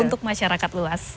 untuk masyarakat luas